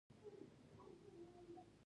د جنوب سیاسي بنسټونو څرګند اقتصادي منطق درلود.